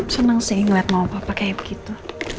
senang sih ngeliat mama papa kayak begitu